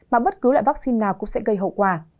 mà bất cứ loại vaccine nào cũng sẽ gây hậu quả